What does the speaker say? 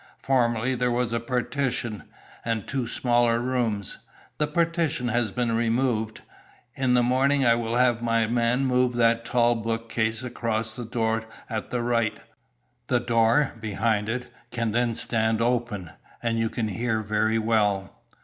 Formerly there was a partition, and two smaller rooms The partition has been removed. In the morning I will have my man move that tall bookcase across the door at the right. The door, behind it, can then stand open, and you can hear very well.